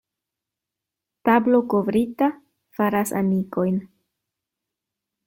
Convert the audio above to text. Tablo kovrita faras amikojn.